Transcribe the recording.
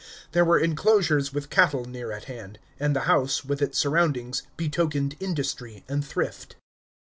There were inclosures with cattle near at hand; and the house, with its surroundings, betokened industry and thrift.